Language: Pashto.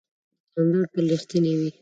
دوکاندار تل رښتینی وي.